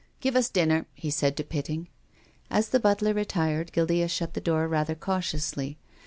" Give us dinner," he said to Pitting. As the butler retired, Guildea shut the door rather cautiously.